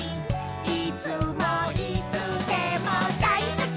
「いつもいつでも大好き！」